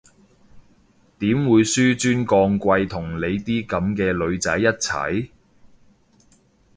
點會紓尊降貴同你啲噉嘅女仔一齊？